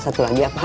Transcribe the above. satu lagi apa